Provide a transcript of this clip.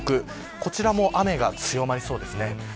こちらも雨が強まりそうです。